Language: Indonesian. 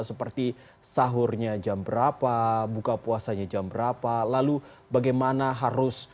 seperti sahurnya jam berapa buka puasanya jam berapa lalu bagaimana harus